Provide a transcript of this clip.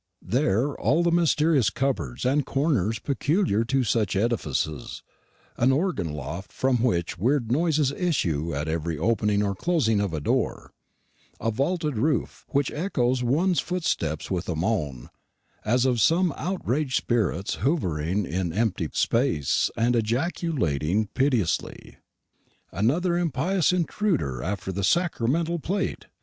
There are all the mysterious cupboards and corners peculiar to such edifices; an organ loft, from which weird noises issue at every opening or closing of a door; a vaulted roof, which echoes one's footsteps with a moan, as of some outraged spirit hovering in empty space, and ejaculating piteously, "Another impious intruder after the sacramental plate!